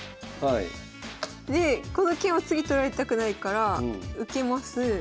でこの桂馬次取られたくないから受けます。